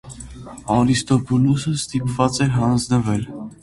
Արիստոբուլուսը ստիպված էր հանձնվել։